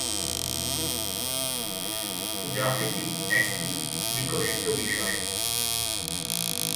Graffiti একটি বিতর্কিত বিষয়।